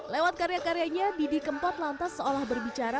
lewat karya karyanya didi kempot lantas seolah berbicara